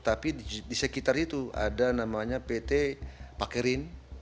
tapi di sekitar itu ada namanya pt pakerin